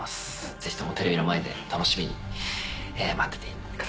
ぜひともテレビの前で楽しみに待っててください。